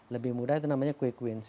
lebih mudah itu namanya quick wins